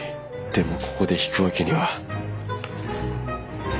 でもここで引くわけには。